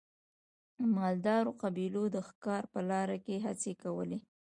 مالدارو قبیلو د ښکار په لاره کې هڅې کولې.